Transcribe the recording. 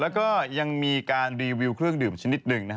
แล้วก็ยังมีการรีวิวเครื่องดื่มชนิดหนึ่งนะฮะ